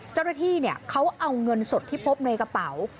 เจ้าหน้าที่เขาเอาเงินสดที่พบในกระเป๋า